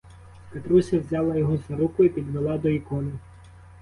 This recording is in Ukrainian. Катруся взяла його за руку і підвела до ікони.